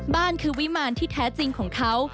บ้านคือวิมารที่แท้จริงของเขา